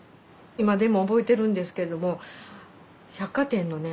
今でも覚えてるんですけども百貨店のね